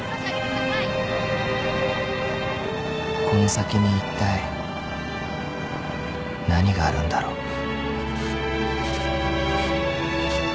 ［この先にいったい何があるんだろう］